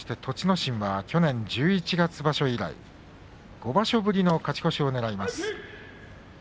心は去年十一月場所以来５場所ぶりの勝ち越しをねらいます。